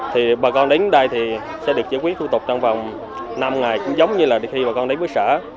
thì bà con đến đây thì sẽ được giải quyết thủ tục trong vòng năm ngày cũng giống như là khi bà con đến với sở